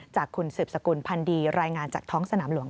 จากคุณสืบสกุลพันธ์ดีรายงานจากท้องสนามหลวง